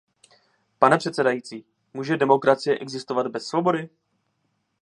Pane předsedající, může demokracie existovat bez svobody?